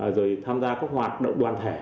rồi tham gia các hoạt động đoàn thể